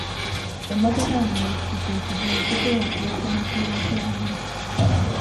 Emmotoka yange ekutuse ekiggulu tesobola kuwesa mipiira gyayo.